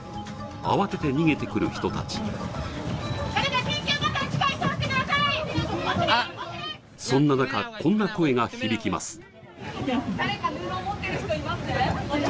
慌てて逃げてくる人達そんな中こんな声が響きます